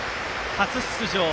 初出場